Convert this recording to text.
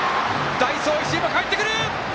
代走、石井もかえってくる。